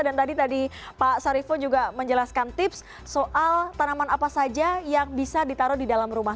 tadi tadi pak sariffo juga menjelaskan tips soal tanaman apa saja yang bisa ditaruh di dalam rumah